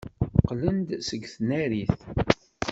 Qqlen-d seg tnarit.